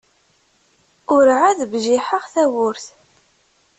Ur-ɛad bjiḥeɣ tawwurt.